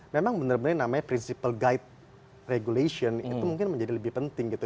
memang benar benar namanya principle guide regulation itu mungkin menjadi lebih penting gitu